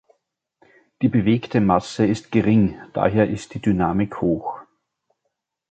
Die bewegte Masse ist gering, daher ist die Dynamik hoch.